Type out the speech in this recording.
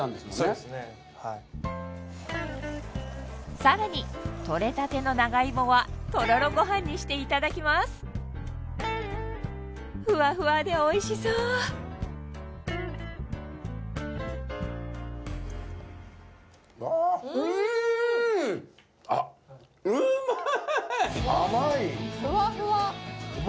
そうですねはいさらにとれたての長芋はとろろご飯にしていただきますフワフワでおいしそう甘いフワフワホンマ